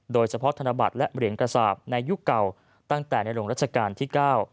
โดยเฉพาะธนบัตรและเหรียญกระสาปในยุคเก่าตั้งแต่ในลงรัชกาลที่เก้า